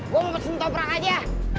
gue mau pesen toprak aja